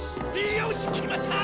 よし決まった！